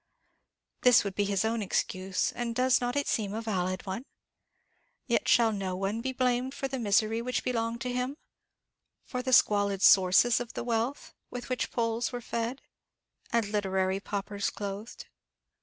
This would be his own excuse, and does it not seem a valid one? Yet shall no one be blamed for the misery which belonged to him; for the squalid sources of the wealth with which Poles were fed, and literary paupers clothed?